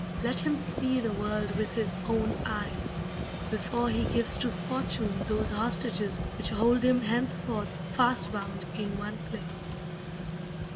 Let him see the world with his own eyes before he gives to fortune those hostages which hold him henceforth fast bound in one place.